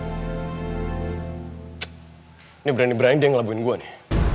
ini berani berani deh ngelabuin gue nih